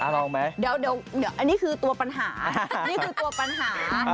มารุมเยอะแยะ